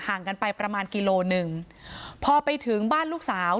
กันไปประมาณกิโลหนึ่งพอไปถึงบ้านลูกสาว